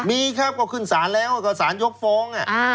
มีครับก็ขึ้นศาลแล้วก็สารยกฟ้อง